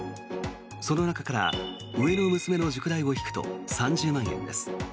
その中から上の娘の塾代を引くと３０万円です。